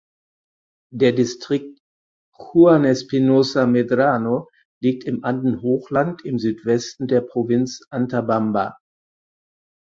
Der Distrikt Juan Espinoza Medrano liegt im Andenhochland im Südwesten der Provinz Antabamba.